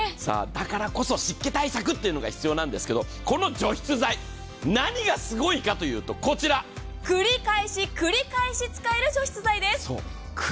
だからこそ湿気対策が必要なんですけど、この除湿剤、何がすごいかというと繰り返し使える除湿剤です。